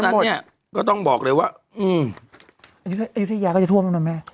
เพราะฉะนั้นนี่ก็ต้องบอกเลยว่าอืมก็จะถ้วงแล้วหน่อยไหม